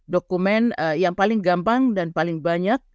dokumen yang paling gampang dan paling banyak